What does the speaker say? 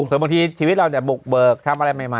ส่วนบางทีชีวิตเราจะบุกเบิกทำอะไรใหม่